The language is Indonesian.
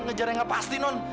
ngejar yang nggak pasti non